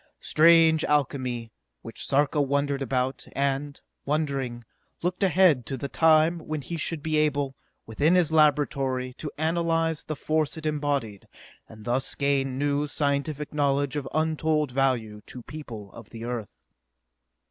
Strange alchemy, which Sarka wondered about and, wondering, looked ahead to the time when he should be able, within his laboratory, to analyze the force it embodied, and thus gain new scientific knowledge of untold value to people of the Earth.